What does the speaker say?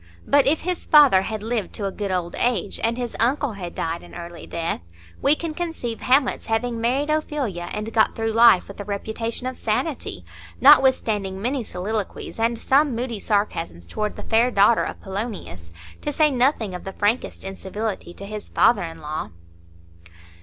But if his father had lived to a good old age, and his uncle had died an early death, we can conceive Hamlet's having married Ophelia, and got through life with a reputation of sanity, notwithstanding many soliloquies, and some moody sarcasms toward the fair daughter of Polonius, to say nothing of the frankest incivility to his father in law.